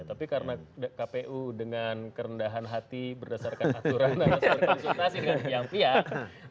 tapi karena kpu dengan kerendahan hati berdasarkan aturan yang pihak